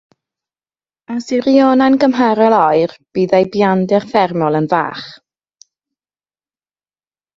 Os yw'r ïonau'n gymharol oer, bydd eu buander thermol yn fach.